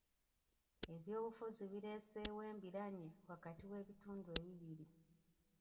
Ebyobufuzi bireesewo embiranye wakati w'ebitundu ebibiri.